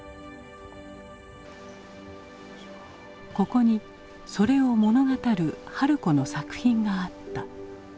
ここにそれを物語る春子の作品があった。